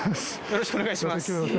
よろしくお願いします